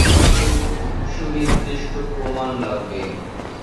সুনির্দিষ্ট প্রমাণ লাগবে।